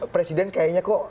presiden kayaknya kok